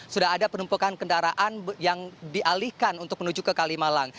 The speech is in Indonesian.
sudah ada penumpukan kendaraan yang dialihkan untuk menuju ke kalimalang